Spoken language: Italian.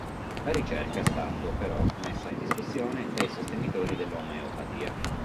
La ricerca è stato però messa in discussione dai sostenitori dell’omeopatia.